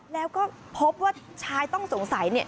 แล้วก็พบว่าชายต้องสงสัยเนี่ย